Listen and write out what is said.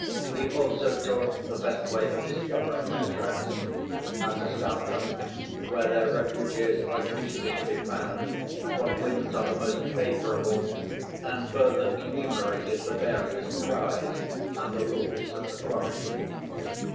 He also taught the best way of discovering their tracks, how to start them, where their refuges are usually to be found, what winds are the most favourable, and further enumerated the various cries, and the rules of the quarry.